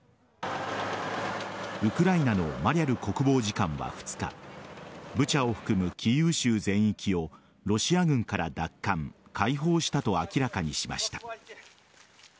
ウクライナのマリャル国防次官は２日ブチャを含むキーウ州全域をロシア軍から奪還、解放したと明らかにしました。